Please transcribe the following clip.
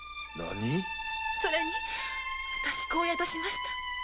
それに私子を宿しました。